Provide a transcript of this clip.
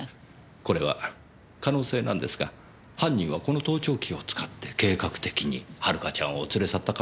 これは可能性なんですが犯人はこの盗聴器を使って計画的に遥ちゃんを連れ去った可能性もあります。